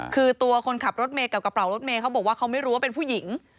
คือตัวคนขับรถเมย์กับกระเป๋ารถเมย์เขาบอกว่าเขาไม่รู้ว่าเป็นผู้หญิง